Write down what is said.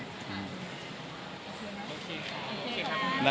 โอเคครับ